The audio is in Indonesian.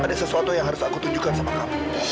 ada sesuatu yang harus aku tunjukkan sama kamu